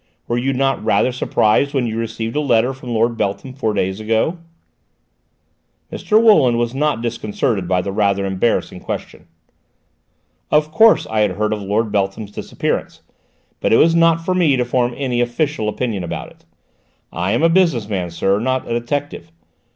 Were you not rather surprised when you received a letter from Lord Beltham four days ago?" Mr. Wooland was not disconcerted by the rather embarrassing question. "Of course I had heard of Lord Beltham's disappearance, but it was not for me to form any official opinion about it. I am a business man, sir, not a detective.